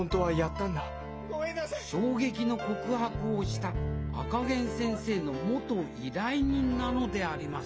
衝撃の告白をした赤ゲン先生の元依頼人なのであります